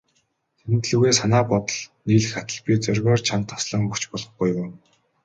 Тэдэн лүгээ санаа бодол нийлэх атал, би зоригоор чамд таслан өгч болох буюу.